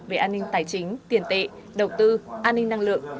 về an ninh tài chính tiền tệ đầu tư an ninh năng lượng